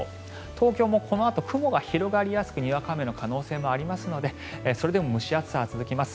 東京もこのあと雲が広がりやすくにわか雨の可能性もありますのでそれでも蒸し暑さが続きます。